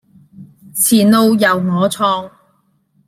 前路由我創